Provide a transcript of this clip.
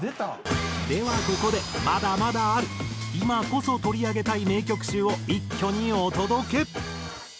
ではここでまだまだある今こそ取り上げたい名曲集を一挙にお届け！